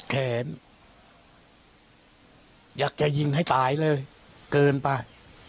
แขนอยากจะยิงให้ตายเลยเกินไป